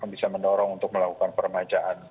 juga bisa mendorong untuk melakukan permajaan alun alun